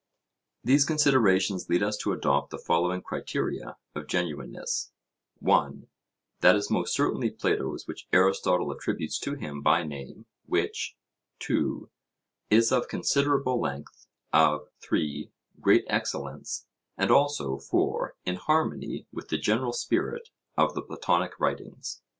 These considerations lead us to adopt the following criteria of genuineness: (1) That is most certainly Plato's which Aristotle attributes to him by name, which (2) is of considerable length, of (3) great excellence, and also (4) in harmony with the general spirit of the Platonic writings.